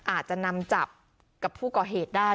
อาจจะนำจับกับผู้ก่อเหตุได้